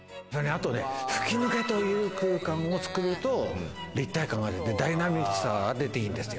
吹き抜けという空間を作ると立体感が出てダイナミックさが出ていいんですよ。